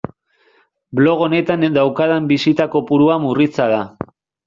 Blog honetan daukadan bisita kopurua murritza da.